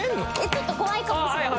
ちょっと怖いかもしれない。